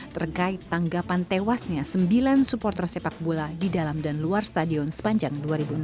terkait tanggapan tewasnya sembilan supporter sepak bola di dalam dan luar stadion sepanjang dua ribu enam belas